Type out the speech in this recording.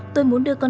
tôi muốn đưa con con